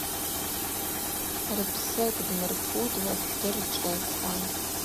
Рпсы ддмырпудуа дырчӏвыухуан.